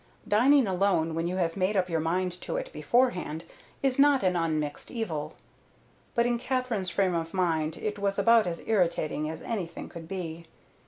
Dining alone when you have made up your mind to it beforehand is not an unmixed evil; but in Katherine's frame of mind it was about as irritating as anything could be.